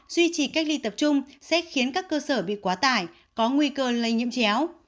duy trì cách ly tập trung sẽ khiến các cơ sở bị quá tải có nguy cơ lây nhiễm chéo